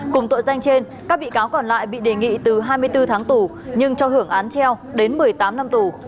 cùng tội danh trên các bị cáo còn lại bị đề nghị từ hai mươi bốn tháng tù nhưng cho hưởng án treo đến một mươi tám năm tù